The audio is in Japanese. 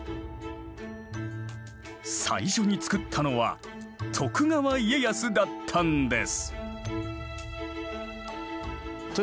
最初に造ったのは徳川家康だったんです。